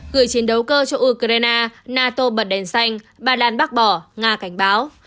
gửi chiến đấu cơ cho ukraine nato bật đèn xanh bà đan bác bỏ nga cảnh báo